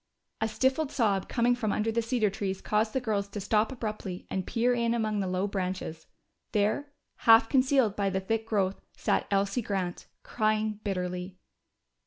A stifled sob coming from under the cedar trees caused the girls to stop abruptly and peer in among the low branches. There, half concealed by the thick growth, sat Elsie Grant, crying bitterly.